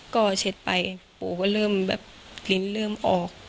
ก็เช็ดไปปู่ก็เริ่มแบบลิ้นเริ่มออก